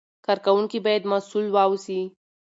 کاروونکي باید مسوول واوسي.